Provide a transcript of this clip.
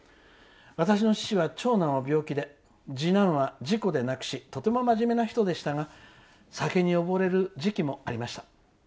私の父は長男を病気で次男は事故で亡くしとてもまじめな人ですが酒におぼれる時期もありました。